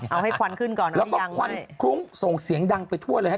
เอาให้ควันขึ้นก่อนแล้วก็ควันคลุ้งส่งเสียงดังไปทั่วเลยฮะ